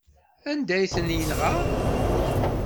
Anda ay ten-tenɣa?